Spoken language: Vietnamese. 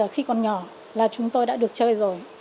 khi còn nhỏ là chúng tôi đã được chơi rồi